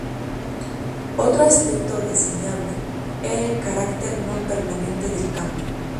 Otro aspecto reseñable era el carácter no permanente del campo.